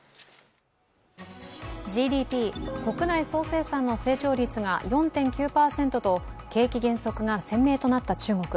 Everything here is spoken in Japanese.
ＧＤＰ＝国内総生産の成長率が４．９％と景気減速が鮮明となった中国。